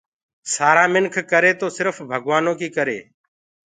سآرآ منک ڪر تو سِرڦ ڀگوآنو ڪي ڪري۔